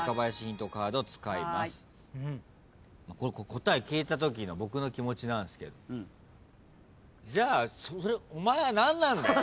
答え聞いたときの僕の気持ちなんですけどじゃあお前は何なんだよ？